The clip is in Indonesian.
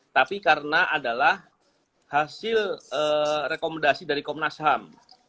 tapi karena adalah hasil rekomendasi dari komnas ham